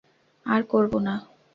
আর করবো না।